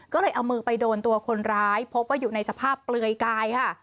ก็เลยเอามือไปโดนตัวคนร้ายพบว่าอยู่ในสภาพเปลือยกายค่ะ